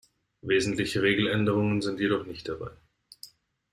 Wesentliche Regeländerungen sind jedoch nicht dabei.